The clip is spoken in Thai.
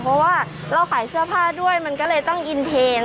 เพราะว่าเราขายเสื้อผ้าด้วยมันก็เลยต้องอินเทน